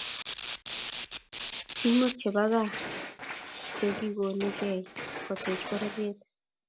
tumwek che bo Kaa che kikonuu kei koteche pororiet.